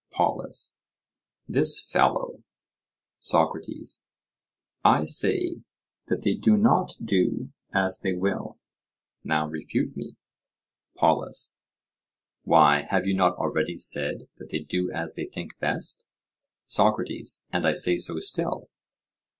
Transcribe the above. POLUS: This fellow— SOCRATES: I say that they do not do as they will;—now refute me. POLUS: Why, have you not already said that they do as they think best? SOCRATES: And I say so still.